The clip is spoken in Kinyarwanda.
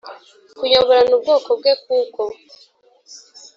kuyoboran ubwoko bwe kuko